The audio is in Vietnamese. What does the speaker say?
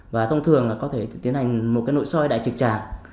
và thông thường có thể tiến hành một nội soi đại trực tràng